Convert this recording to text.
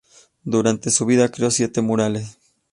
Durante su vida creó siete murales.